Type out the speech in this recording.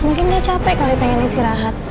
mungkin dia capek kali pengen istirahat